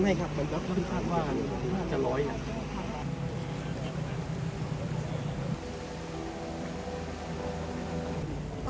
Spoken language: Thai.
แม่ก็ตามมา